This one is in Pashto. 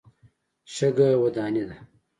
شګه وداني ده.